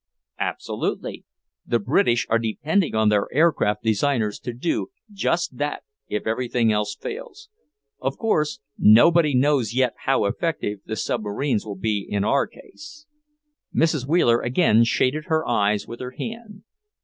"Absolutely. The British are depending on their aircraft designers to do just that, if everything else fails. Of course, nobody knows yet how effective the submarines will be in our case." Mrs. Wheeler again shaded her eyes with her hand.